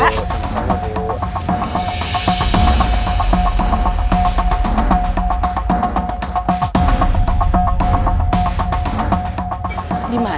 iya bu sama sama